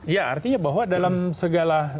ya artinya bahwa dalam segala